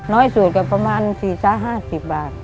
น้อยสุดก็ประมาณ๔๕๐บาท